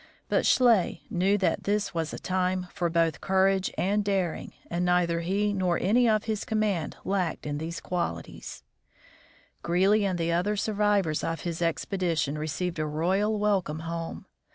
But Schley knew that this was a time for both courage and daring, and neither he nor any of his command lacked in these qualities. FARTHEST NORTH OF THE GREELY PARTY 93 Greely and the other survivors of his expedition received a royal welcome home.